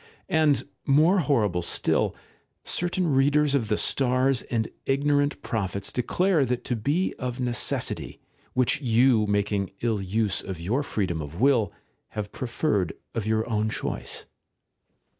And, more horrible still, certain readers of the stars and ignorant prophets declare that to be of necessity, which you, making ill use of your freedom of will, have preferred of your own choice.